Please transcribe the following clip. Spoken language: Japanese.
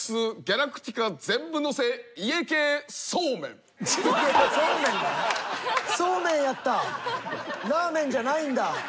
ラーメンじゃないんだ。